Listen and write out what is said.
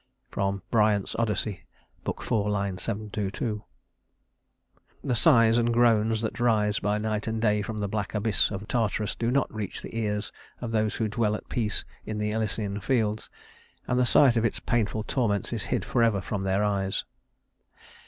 BRYANT'S Odyssey, Book IV, line 722. The sighs and groans that rise by night and day from the black abyss of Tartarus do not reach the ears of those who dwell at peace in the Elysian Fields, and the sight of its painful torments is hid forever from their eyes.